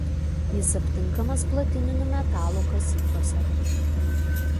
Jis aptinkamas platininių metalų kasyklose.